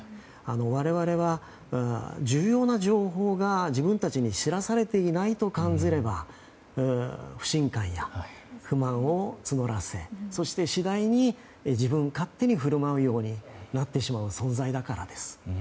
我々は重要な情報が、自分たちに知らされていないと感ずれば不信感や不満を募らせそして、次第に自分勝手にふるまうようになってしまう存在だからです。